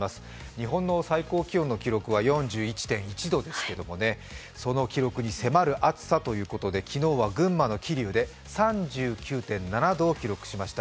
日本の最高気温の記録は４１．１度ですけれどもねその記録に迫る暑さということで昨日は群馬の桐生で３９．７度を記録しました。